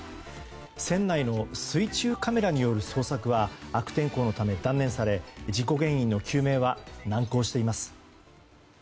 船内の水中カメラによる捜索は悪天候のため断念され事故原因の究明は難航しています。